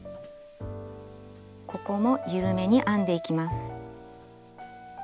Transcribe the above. ここも緩めに編んでいきます。